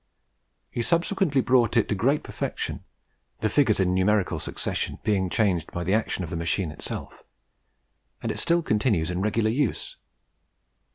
He subsequently brought it to great perfection the figures in numerical succession being changed by the action of the machine itself, and it still continues in regular use.